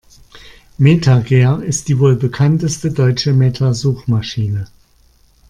MetaGer ist die wohl bekannteste deutsche Meta-Suchmaschine.